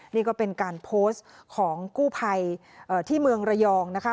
นี่ก็เป็นการโพสต์ของกู้ภัยที่เมืองระยองนะคะ